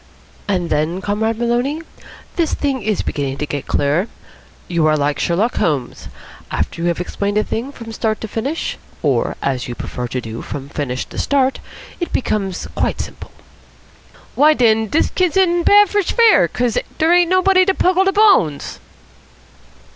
"And then, Comrade Maloney? This thing is beginning to get clearer. You are like Sherlock Holmes. After you've explained a thing from start to finish or, as you prefer to do, from finish to start it becomes quite simple." "Why, den dis kid's in bad for fair, 'cos der ain't nobody to pungle de bones."